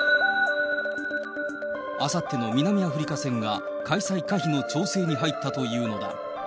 あさっての南アフリカ戦が開催可否の調整に入ったというのだ。